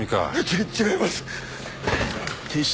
ち違います！